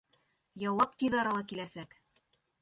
Яуап тиҙ арала киләсәк.